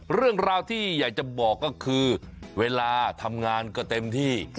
เรื่องราวที่อยากจะบอกก็คือเวลาทำงานก็เต็มที่